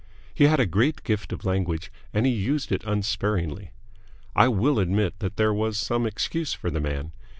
He had a great gift of language, and he used it unsparingly. I will admit that there was some excuse for the man.